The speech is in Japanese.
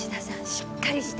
しっかりして。